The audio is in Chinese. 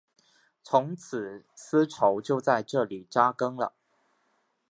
从此丝绸就在这里扎根了。